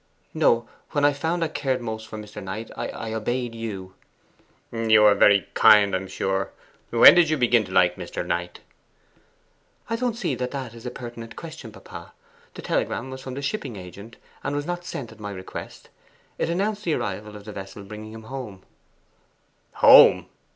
'No; when I found I cared most for Mr. Knight, I obeyed you.' 'You were very kind, I'm sure. When did you begin to like Mr. Knight?' 'I don't see that that is a pertinent question, papa; the telegram was from the shipping agent, and was not sent at my request. It announced the arrival of the vessel bringing him home.' 'Home!